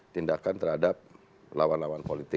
tindakan terhadap lawan lawan politik